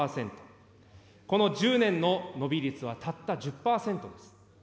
この１０年の伸び率はたった１０％です。